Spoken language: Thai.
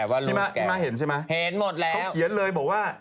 พี่ม้าพี่ม้าเห็นใช่ไหมเห็นหมดแล้วเขาเขียนเลยบอกว่า